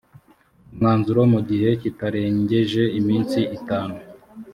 umwanzuro mu gihe kitarengeje iminsi itanu